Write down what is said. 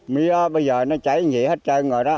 mía bây giờ nó cháy như vậy hết trơn rồi đó